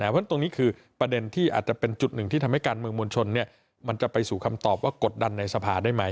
เพราะฉะนั้นตรงนี้คือประเด็นที่อาจจะเป็นจุดหนึ่งที่ทำให้การเมืองมวลชนมันจะไปสู่คำตอบว่ากดดันในสภาได้ไหม